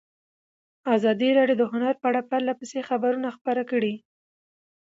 ازادي راډیو د هنر په اړه پرله پسې خبرونه خپاره کړي.